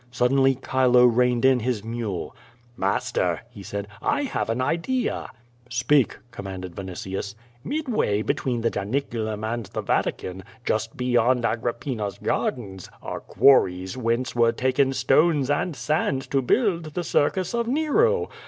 Suddenly Chilo reined in his mule. "Master," he said, " I have an idea." *^Speak!" commanded Vinitius. "Midway between the Janiculum and the Vatican, just beyond Agrippina's gardens, are quarries whence were taken stones and sand to build the Circus of Kero.